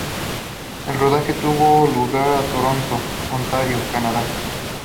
El rodaje tuvo lugar en Toronto, Ontario, Canadá.